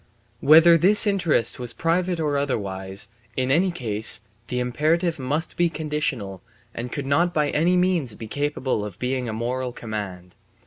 Whether this interest was private or otherwise, in any case the imperative must be conditional and could not by any means be capable of being a moral command.